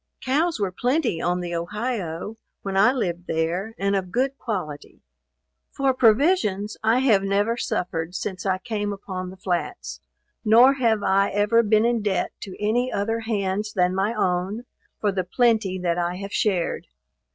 Cows were plenty on the Ohio, when I lived there, and of good quality. For provisions I have never suffered since I came upon the flats; nor have I ever been in debt to any other hands than my own for the plenty that I have shared.